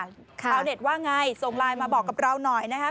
เช้าเน็ตว่าอย่างไรส่งไลน์มาบอกกับเราหน่อยนะฮะ